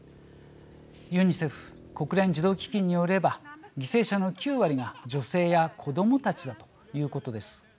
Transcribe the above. ユニセフ＝国連児童基金によれば犠牲者の９割が女性や子どもたちだということです。